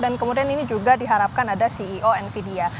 dan kemudian ini juga diharapkan ada ceo nvidia